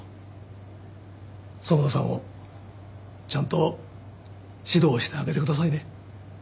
園田さんをちゃんと指導してあげてくださいね。